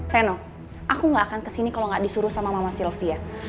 reno aku gak akan ke sini kalau gak disuruh sama mama sylvia